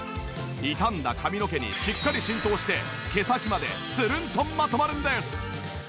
傷んだ髪の毛にしっかり浸透して毛先までつるんとまとまるんです！